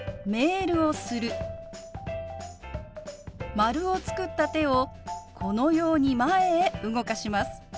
丸を作った手をこのように前へ動かします。